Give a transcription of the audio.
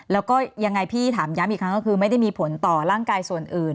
แล้วก็ยังไงพี่ถามย้ำอีกครั้งก็คือไม่ได้มีผลต่อร่างกายส่วนอื่น